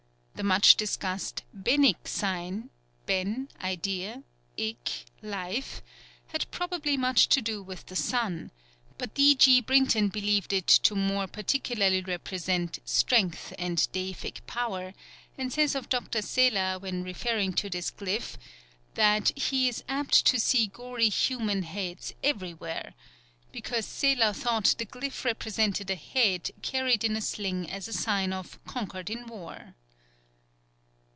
The much discussed Benik sign (Ben, idea: ik, life) had probably much to do with the sun; but D. G. Brinton believed it to more particularly represent "strength and deific power," and says of Dr. Seler, when referring to this glyph, "that he is apt to see gory human heads everywhere," because Seler thought the glyph represented a head carried in a sling as a sign of "conquered in war."